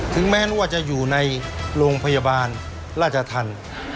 ถึงแม้ว่าจะอยู่ในโรงพยาบาลล่าจะทัน